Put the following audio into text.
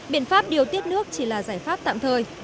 biện pháp điều tiết nước chỉ là giải pháp tạm thời